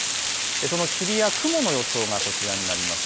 霧や雲の予想がこちらになります。